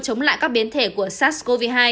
chống lại các biến thể của sars cov hai